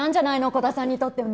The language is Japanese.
鼓田さんにとっても。